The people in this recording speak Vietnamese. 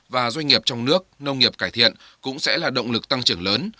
và doanh nghiệp trong nước nông nghiệp cải thiện cũng sẽ là động lực tăng trưởng lớn